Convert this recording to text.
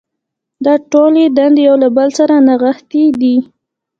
دا ټولې دندې یو له بل سره نغښتې دي.